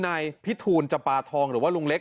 นายพิทูลจำปาทองหรือว่าลุงเล็ก